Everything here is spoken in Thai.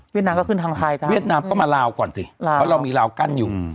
นามก็ขึ้นทางไทยจ้ะเวียดนามก็มาลาวก่อนสิเพราะเรามีราวกั้นอยู่